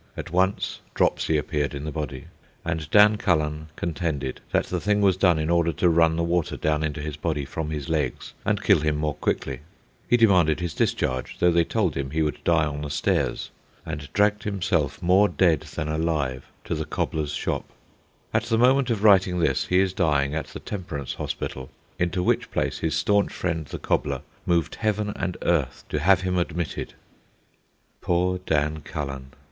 At once dropsy appeared in the body, and Dan Cullen contended that the thing was done in order to run the water down into his body from his legs and kill him more quickly. He demanded his discharge, though they told him he would die on the stairs, and dragged himself, more dead than alive, to the cobbler's shop. At the moment of writing this, he is dying at the Temperance Hospital, into which place his staunch friend, the cobbler, moved heaven and earth to have him admitted. Poor Dan Cullen!